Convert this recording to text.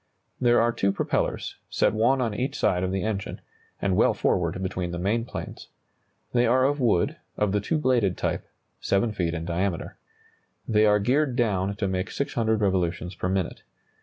There are two propellers, set one on each side of the engine, and well forward between the main planes. They are of wood, of the two bladed type, 7 feet in diameter. They are geared down to make 600 revolutions per minute.